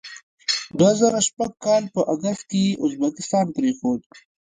دوه زره شپږ کال په اګست کې یې ازبکستان پرېښود.